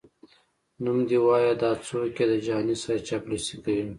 نوم دي وایه دا څوک یې د جهاني صیب چاپلوسي کوي؟🤧🧐